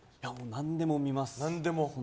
何でも見ます。